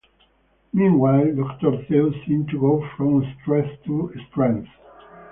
Meanwhile, Doctor Zeus seems to go from strength to strength.